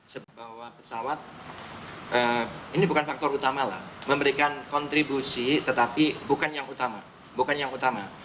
sebagai pesawat ini bukan faktor utama lah memberikan kontribusi tetapi bukan yang utama